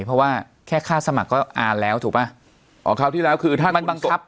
เพราะว่าแค่ค่าสมัครก็อ่านแล้วถูกป่ะอ๋อคราวที่แล้วคือถ้ามันบังคับ